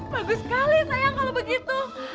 bagus sekali sayang kalau begitu